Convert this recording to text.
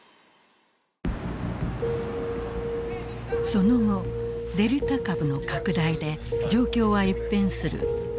その後デルタ株の拡大で状況は一変する。